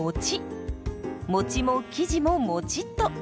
もちも生地ももちっと。